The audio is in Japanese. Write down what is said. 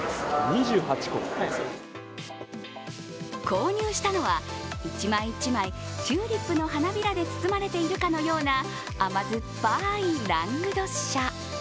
購入したのは一枚一枚チューリップの花びらで包まれているかのような甘酸っぱいラングドシャ。